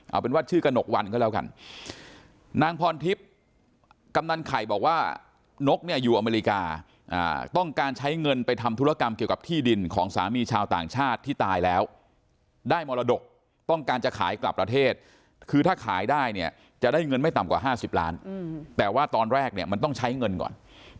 เอาเป็นว่าชื่อกระหนกวันก็แล้วกันนางพรทิพย์กำนันไข่บอกว่านกเนี่ยอยู่อเมริกาต้องการใช้เงินไปทำธุรกรรมเกี่ยวกับที่ดินของสามีชาวต่างชาติที่ตายแล้วได้มรดกต้องการจะขายกลับประเทศคือถ้าขายได้เนี่ยจะได้เงินไม่ต่ำกว่า๕๐ล้านแต่ว่าตอนแรกเนี่ยมันต้องใช้เงินก่อน